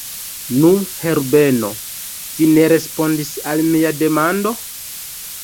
Nu, Herbeno, vi ne respondis al mia demando?